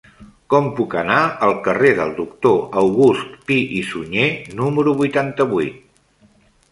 Com puc anar al carrer del Doctor August Pi i Sunyer número vuitanta-vuit?